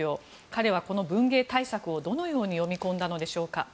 彼はこの文芸大作をどのように読み込んだのでしょうか。